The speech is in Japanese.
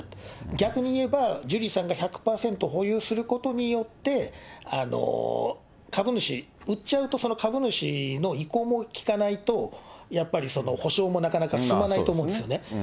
逆に言えば、ジュリーさんが１００％保有することによって、株主、売っちゃうと株主の意向も聞かないと、やっぱり補償もなかなか進まないと思うんですよね。